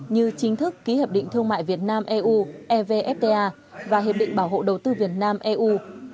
như chính thức ký hiệp định thương mại việt nam eu evfta và hiệp định bảo hộ đầu tư việt nam eu